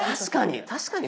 確かに。